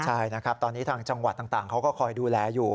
ใช่นะครับตอนนี้ทางจังหวัดต่างเขาก็คอยดูแลอยู่